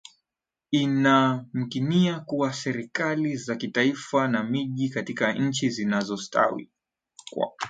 inayamkinika kwa serikali za kitaifa na miji katika nchi zinazostawi